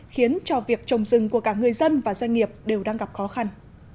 khiến cho việc trồng rừng của cả người dân và doanh nghiệp đều đang gặp khó khăn